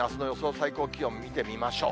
最高気温、見てみましょう。